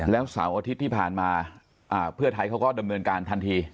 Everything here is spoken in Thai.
แล้วเสาร์อาทิตย์ที่ผ่านมาเพื่อไทยเขาก็ดำเนินการทันที